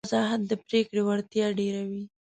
وضاحت د پرېکړې وړتیا ډېروي.